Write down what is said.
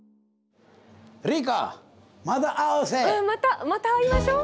またまた会いましょう！